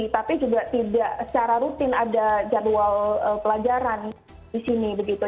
tapi juga tidak secara rutin ada jadwal pelajaran di sini begitu